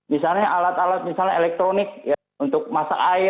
misalnya alat alat misalnya elektronik ya untuk masalah alam